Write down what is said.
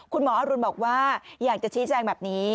คุณหมออรุณบอกว่าอยากจะชี้แจงแบบนี้